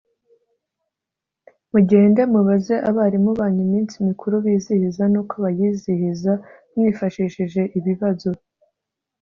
mugende mubaze abarimu banyu iminsi mikuru bizihiza n‘uko bayizihiza, mwifashishije ibibazo